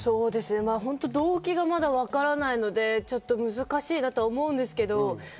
動機がまだわからないので難しいなと思うんですけど。